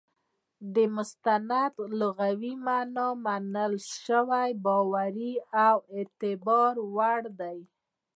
د مستند لغوي مانا منل سوى، باوري، او د اعتبار وړ ده.